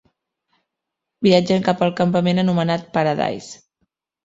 Viatgen cap al campament anomenat Paradise.